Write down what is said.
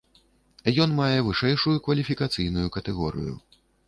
Ён мае вышэйшую кваліфікацыйную катэгорыю.